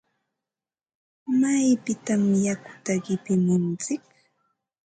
¿Maypitataq yakuta qipimuntsik?